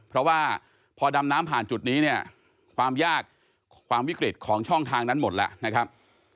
เพราะว่าพอดำน้ำผ่านจุดนี้เนี่ยความยากความวิกฤตของช่องทางนั้นหมดแล้วนะครับ